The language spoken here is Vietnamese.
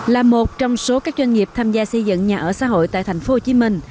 là một trong số các doanh nghiệp tham gia xây dựng nhà ở xã hội tại tp hcm